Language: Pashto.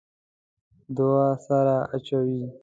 دوه سره اچوي.